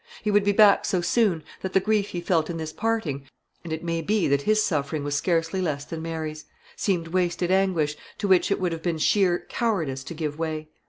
He would be back so soon, that the grief he felt in this parting and it may be that his suffering was scarcely less than Mary's seemed wasted anguish, to which it would have been sheer cowardice to give way.